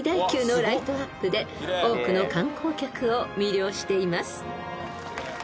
［多くの観光客を魅了しています］